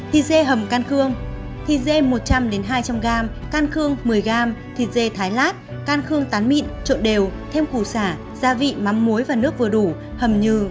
thịt dê hầm can khương thịt dê một trăm linh hai trăm linh g can khương một mươi g thịt dê thái lát can khương tán mịn trộn đều thêm củ sả gia vị mắm muối và nước vừa đủ hầm như